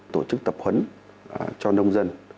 tổ chức tập huấn cho nông dân